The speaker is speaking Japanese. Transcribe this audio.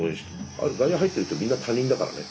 あれ外野入ってる人みんな他人だからね。